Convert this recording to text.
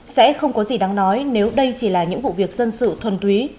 sẽ không có gì đáng nói nếu đây chỉ là những vụ việc dân sự thuần túy